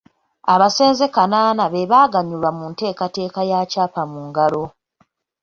Abasenze kanaana be baaganyulwa mu nteekateeka ya Kyapa mu ngalo.